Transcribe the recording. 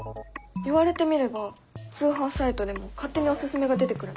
言われてみれば通販サイトでも勝手におススメが出てくるね。